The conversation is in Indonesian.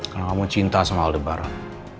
karena kamu cinta sama aldebaran